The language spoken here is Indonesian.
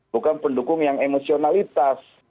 bukan pendukung yang emosionalitas